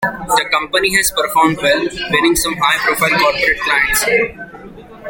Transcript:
The company has performed well, winning some high-profile corporate clients.